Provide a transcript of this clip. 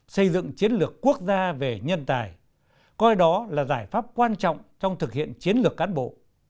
xây dựng chiến lược quốc gia về nhân tài coi đó là giải pháp quan trọng trong thực hiện chiến lược cán bộ